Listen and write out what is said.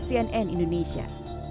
sian n indonesia